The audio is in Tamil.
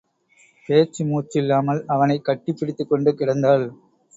பேச்சு மூச்சில்லாமல் அவனைக் கட்டிப் பிடித்துக்கொண்டு கிடந்தாள்.